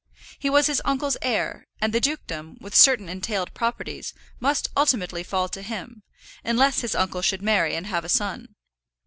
He was his uncle's heir, and the dukedom, with certain entailed properties, must ultimately fall to him, unless his uncle should marry and have a son.